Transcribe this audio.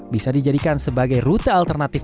bisa dijadikan sebagai rute alternatif